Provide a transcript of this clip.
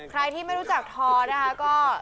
ใครที่ไม่รู้จักทอนะคะก็